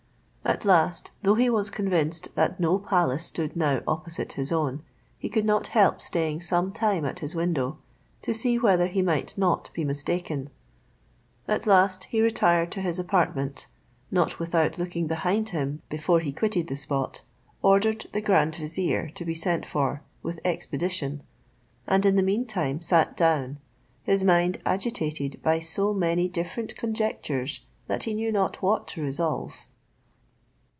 At last, though he was convinced that no palace stood now opposite his own, he could not help staying some time at his window, to see whether he might not be mistaken. At last he retired to his apartment, not without looking behind him before he quitted the spot ordered the grand vizier to be sent for with expedition, and in the meantime sat down, his mind agitated by so many different conjectures that he knew not what to resolve.